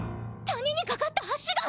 谷にかかった橋が。